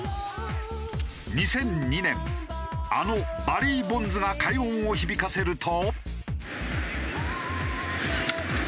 ２００２年あのバリー・ボンズが快音を響かせると。